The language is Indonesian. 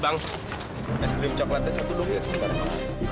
bang es krim coklatnya satu dong ya